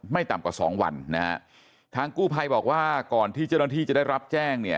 ต่ำกว่าสองวันนะฮะทางกู้ภัยบอกว่าก่อนที่เจ้าหน้าที่จะได้รับแจ้งเนี่ย